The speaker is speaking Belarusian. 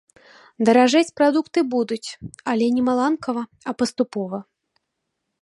Даражэць прадукты будуць, але не маланкава, а паступова.